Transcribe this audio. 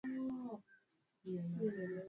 Kifo kisimani.